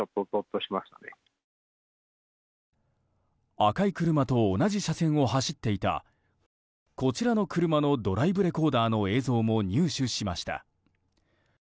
赤い車と同じ車線を走っていたこちらの車のドライブレコーダーの映像も入手しました。